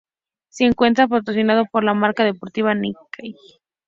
Se encuentra patrocinado por la marca deportiva Nike.